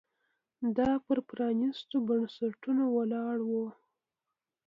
دا پر پرانېستو بنسټونو ولاړ و